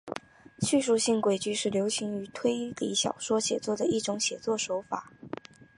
叙述性诡计是流行于推理小说写作的一种写作手法。